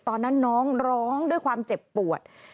ตอนนั้นน้องร้องด้วยความเจ็บปวด